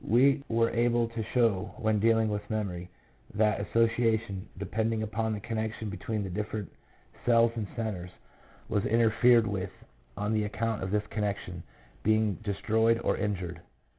We were able to show when dealing with memory that association, depending upon the connection between the different cells and centres, was interfered with on account of this connection being destroyed or injured.